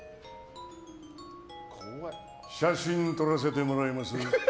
写真撮らせてもらいます。